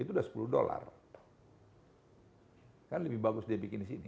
itu udah sepuluh dollar kan lebih bagus dibikin di sini